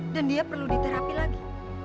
dan dia perlu diterapi lagi